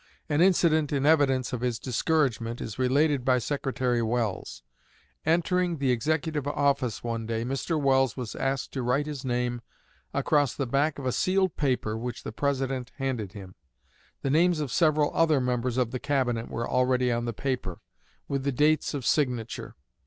An incident in evidence of his discouragement is related by Secretary Welles. Entering the Executive office one day, Mr. Welles was asked to write his name across the back of a sealed paper which the President handed him. The names of several other members of the Cabinet were already on the paper, with the dates of signature.